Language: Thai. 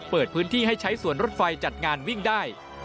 เปิดพื้นที่ให้ใช้สวนรถไฟจัดงานวิ่งได้